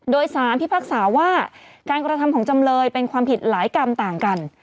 โดยสารพิพากษาว่าการกระทำของจำเลยเป็นความผิดหลายกรรมต่างกัน